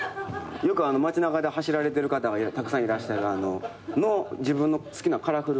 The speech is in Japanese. よく街中で走られてる方がたくさんいらっしゃるあの。の自分の好きなカラフルバージョン。